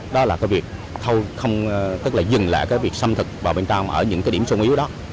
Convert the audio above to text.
đó là dừng lại việc xâm thực vào bên trong ở những điểm sung yếu đó